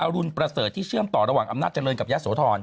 รุณประเสริฐที่เชื่อมต่อระหว่างอำนาจเจริญกับยะโสธร